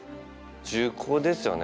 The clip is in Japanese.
重厚ですよね。